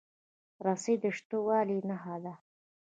رسۍ د شته والي نښه ده.